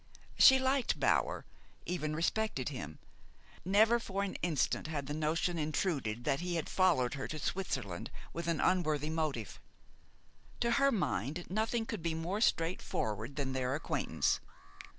She liked Bower, even respected him. Never for an instant had the notion intruded that he had followed her to Switzerland with an unworthy motive. To her mind, nothing could be more straightforward than their acquaintance.